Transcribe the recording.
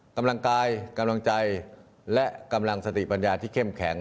กำลังกายกำลังใจและกำลังสติปัญญาที่เข้มแข็ง